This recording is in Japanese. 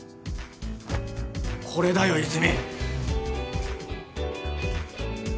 これだよ泉。